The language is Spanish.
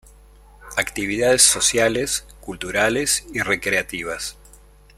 Actividades sociales, culturales y recreativas.